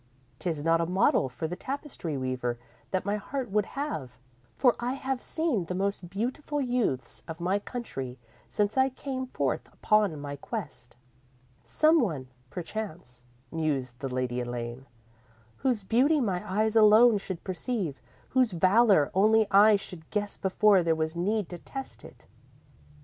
'Tis not a model for the tapestry weaver that my heart would have, for I have seen the most beautiful youths of my country since I came forth upon my quest._ _"Some one, perchance," mused the Lady Elaine, "whose beauty my eyes alone should perceive, whose valour only I should guess before there was need to test it.